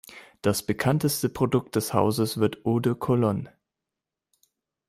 Das bekannteste Produkt des Hauses wird Eau de Cologne.